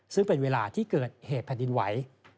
ซึ่งเป็นเวลาที่เกิดเหตุแผ่นดินไหว